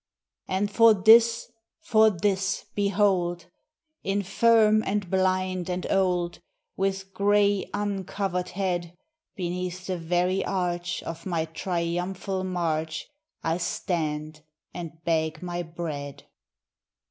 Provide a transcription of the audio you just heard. And for this, for this, behold! Infirm and blind and old. With gray, uncovered head, Beneath the very arch Of my triumphal march, I stand and beg my bread